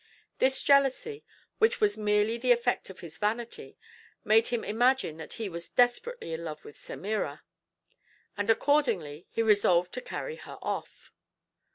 This jealousy, which was merely the effect of his vanity, made him imagine that he was desperately in love with Semira; and accordingly he resolved to carry her off.